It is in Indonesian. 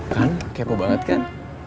kan kepo banget kan